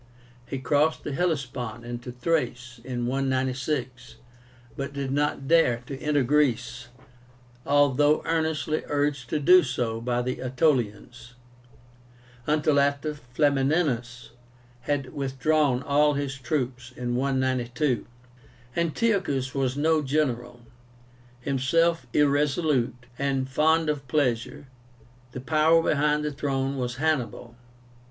He crossed the Hellespont into Thrace in 196, but did not dare to enter Greece, although earnestly urged to do so by the Aetolians, until after Flamininus had withdrawn all his troops (192). Antiochus was no general. Himself irresolute and fond of pleasure, the power behind his throne was HANNIBAL.